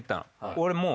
俺もう。